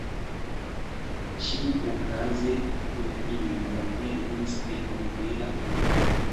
Ĉiuokaze Vilhelmo ne devenis el nobela familio.